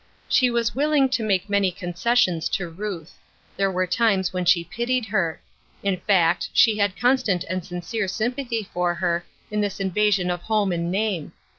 She was will ing to make many concessions to Ruth. There were times when she pitied her. In fact, she had constant and sincere sympathy for her in this invasion of home and name.